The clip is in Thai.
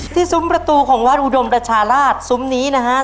ซุ้มประตูของวัดอุดมประชาราชซุ้มนี้นะฮะ